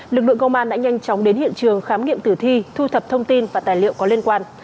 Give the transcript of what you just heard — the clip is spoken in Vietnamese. lực lượng công an đã nhanh chóng đến hiện trường khám nghiệm tử thi thu thập thông tin và tài liệu có liên quan